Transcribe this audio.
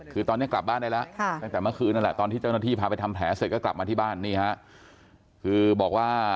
คือตอนนี้หลับประทับว่าแบบนั้นครึ่งปีนเปิดใช่ไหมครับ